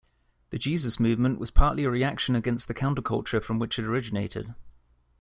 The Jesus movement was partly a reaction against the counterculture from which it originated.